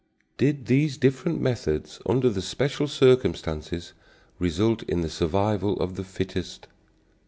Did these different methods under the special circumstances result in the survival of the fittest?